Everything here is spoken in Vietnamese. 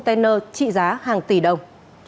trị giá hàng tỷ đồng